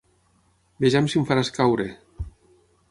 Vejam si em faràs caure!